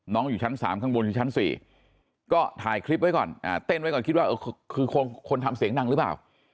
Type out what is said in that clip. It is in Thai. อยู่ชั้น๓ข้างบนคือชั้น๔ก็ถ่ายคลิปไว้ก่อนเต้นไว้ก่อนคิดว่าคือคนทำเสียงดังหรือเปล่า